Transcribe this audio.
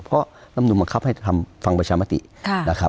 เพราะลำนุนบังคับให้ทำฟังประชามตินะครับ